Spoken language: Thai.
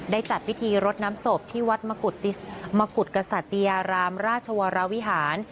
จัดพิธีรดน้ำศพที่วัดมกุฎกษัตยารามราชวรวิหาร